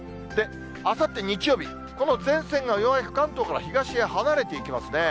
あさって日曜日、この前線がようやく関東から東へ離れていきますね。